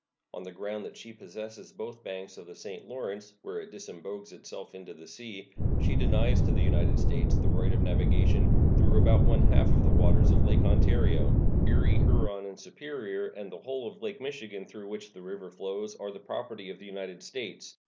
On the ground that she possesses both banks of the St. Lawrence, where it disembogues itself into the sea, she denies to the United States the right of navigation, though about one half of the waters of Lakes Ontario. Erie, Huron, and Superior, and the whole of Lake Michigan, through which the river flows, are the property of the United States.